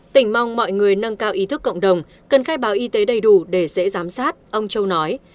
tỉnh mong mọi người nâng cao ý thức cộng đồng cần khai báo y tế đầy đủ để dễ giám sát ông châu nói